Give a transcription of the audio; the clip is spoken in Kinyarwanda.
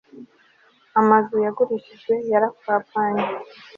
Amazu yagurishijwe yarapfapfanye